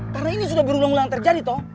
karena ini sudah berulang ulang terjadi toh